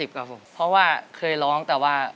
๕๐๕๐ครับผมเพราะว่าเคยร้องแต่ว่า